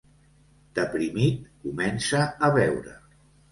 Deprimit, comença a beure.